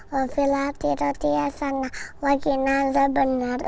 wafilah tiru tiasana wakinan sebenar